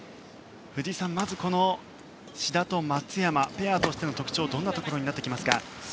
藤井さん、まず志田と松山ペアとしての特徴はどんなところになってきますか？